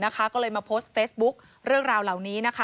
ก็เลยมาโพสต์เฟซบุ๊คเรื่องราวเหล่านี้นะคะ